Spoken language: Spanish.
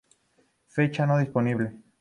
Fecha no disponible.